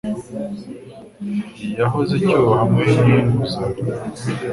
Yakoze icyuho hamwe ninguzanyo.